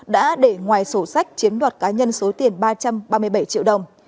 đã để ngoài sổ sách chiếm đoạt cá nhân số tiền ba trăm ba mươi bảy triệu đồng